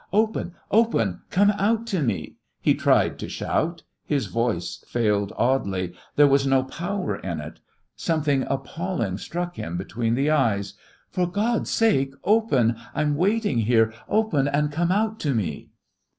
"Open, open! Come out to me!" he tried to shout. His voice failed oddly; there was no power in it. Something appalling struck him between the eyes. "For God's sake, open. I'm waiting here! Open, and come out to me!"